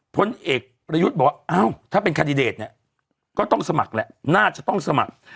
พลเอกประยุทธ์บอกว่าถ้าเป็นคาร์ดิเดตก็ต้องสมัครแล้วน่าจะต้องสมัคร